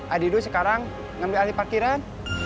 adi dulu sekarang ngambil alih parkiran